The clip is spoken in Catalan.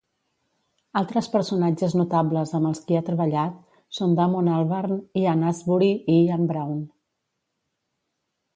Altres personatges notables amb els qui ha treballat són Damon Albarn, Ian Astbury i Ian Brown.